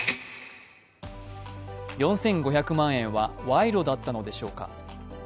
４５００万円は賄賂だったのでしょうか。